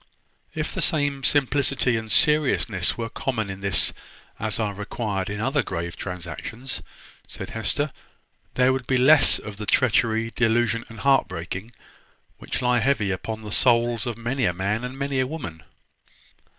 "If the same simplicity and seriousness were common in this as are required in other grave transactions," said Hester, "there would be less of the treachery, delusion, and heart breaking, which lie heavy upon the souls of many a man and many a woman."